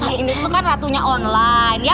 ini tuh kan ratunya online ya